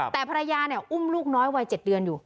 แต่ภรรยาอุ้มลูกน้อยวัย๗เดือนอยู่